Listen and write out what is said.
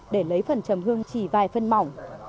để lấy phần trầm hương chỉ vài phân mỏng